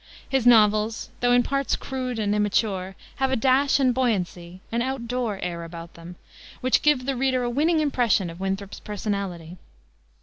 His novels, though in parts crude and immature, have a dash and buoyancy an out door air about them which give the reader a winning impression of Winthrop's personality.